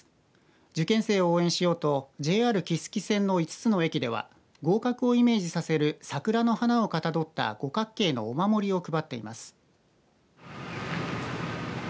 受験生を応援しようとＪＲ木次線の５つの駅では合格をイメージさせる桜の花をかたどった五角形のお守りを配っています。